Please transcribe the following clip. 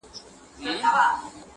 یو څه په ځان د سړیتوب جامه کو.!